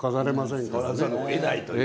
触らざるをえないという。